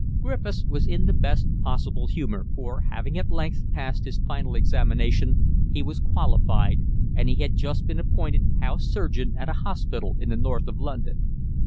Griffiths was in the best possible humour, for, having at length passed his final examination, he was qualified, and he had just been appointed house surgeon at a hospital in the North of London.